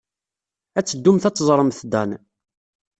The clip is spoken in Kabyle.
Ad teddumt ad teẓremt Dan.